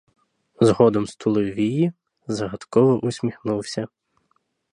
Згодом стулив вії, загадково усміхнувся.